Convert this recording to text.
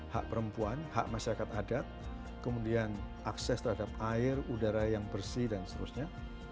hak perempuan hak masyarakat adat kemudian akses terhadap air udara yang bersih dan seterusnya